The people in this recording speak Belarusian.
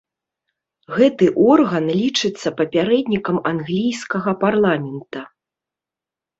Гэты орган лічыцца папярэднікам англійскага парламента.